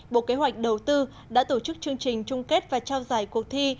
bộ kế hoạch đầu tư đã tổ chức chương trình trung kết và trao giải cuộc thi